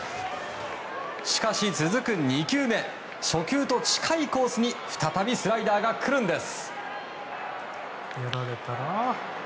しかし、続く２球目初球と近いコースに再びスライダーが来るんです。